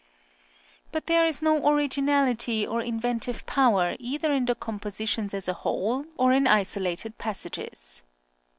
But there is no originality or inventive power either in the compositions as a whole, or in isolated passages.